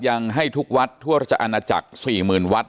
ยังให้ทุกวัดทั่วราชอาณาจักร๔๐๐๐วัด